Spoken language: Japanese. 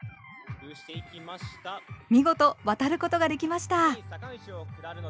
見事渡ることができました。